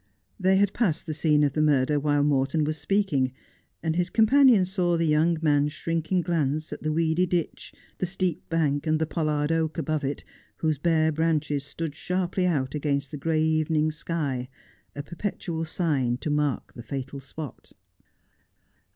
They had passed the scene of the murder while Morton was speaking, and his companion saw the young man's shrinking glance at the weedy ditch, the steep bank, and the pollard oak above it, whose bare branches stood sharply out against the gray evening sky, a perpetual sign to mark the fatal spot.